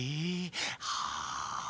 はあ。